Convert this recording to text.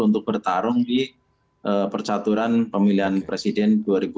untuk bertarung di percaturan pemilihan presiden dua ribu dua puluh